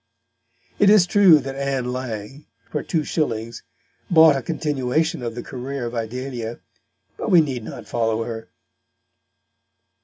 It is true that Ann Lang, for 2s., bought a continuation of the career of Idalia; but we need not follow her.